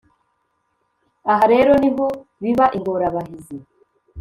Aha rero ni ho biba ingorabahizi